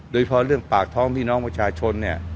โดยพอเรื่องปากท้องพี่น้องประชาชนเนี่ย